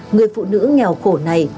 người phụ nữ nghèo khổ này